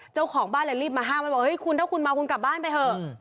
เจ้าของบ้านเลยรีบมาห้ามมันบอกเฮ้ยคุณถ้าคุณเมาคุณกลับบ้านไปเถอะ